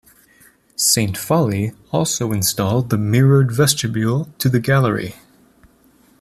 Saint Phalle also installed the mirrored vestibule to the gallery.